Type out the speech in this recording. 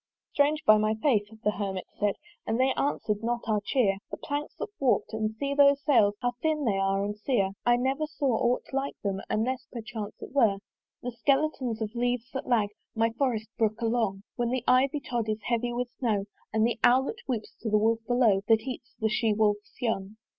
"Strange, by my faith!" the Hermit said "And they answer'd not our cheer. "The planks look warp'd, and see those sails "How thin they are and sere! "I never saw aught like to them "Unless perchance it were "The skeletons of leaves that lag "My forest brook along: "When the Ivy tod is heavy with snow, "And the Owlet whoops to the wolf below "That eats the she wolf's young.